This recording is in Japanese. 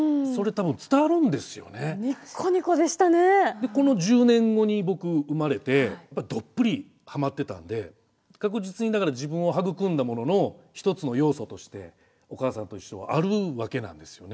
でこの１０年後に僕生まれてどっぷりはまってたんで確実にだから自分を育んだものの一つの要素として「おかあさんといっしょ」はあるわけなんですよね。